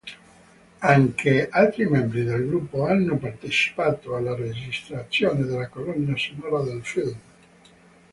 Anche altri membri del gruppo hanno partecipato alla registrazione della colonna sonora del film.